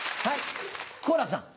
はい。